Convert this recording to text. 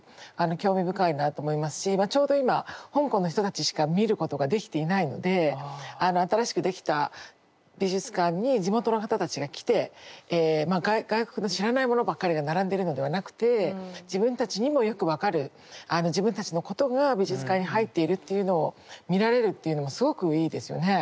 ちょうど今香港の人たちしか見ることができていないので新しく出来た美術館に地元の方たちが来てまあ外国の知らないものばっかりが並んでるのではなくて自分たちにもよく分かる自分たちのことが美術館に入っているっていうのを見られるっていうのもすごくいいですよね。